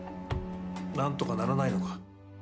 なんとかならないのか。